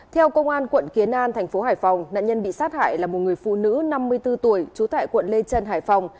theo công an quận kiến an thành phố hải phòng nạn nhân bị sát hại là một người phụ nữ năm mươi bốn tuổi trú tại quận lê trân hải phòng